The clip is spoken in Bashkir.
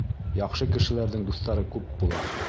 Яҡшы кешеләрҙең дуҫтары күп була.